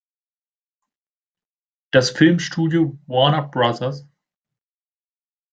Das Filmstudio Warner Bros.